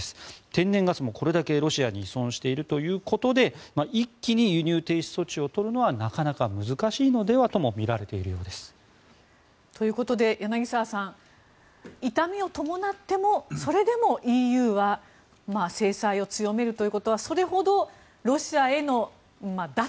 天然ガスもこれだけロシアに依存しているということで一気に輸入停止措置を取るのはなかなか難しいのではともみられているようです。ということで柳澤さん痛みを伴ってもそれでもＥＵは制裁を強めるということはそれほどロシアへの脱